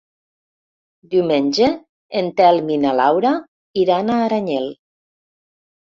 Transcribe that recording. Diumenge en Telm i na Laura iran a Aranyel.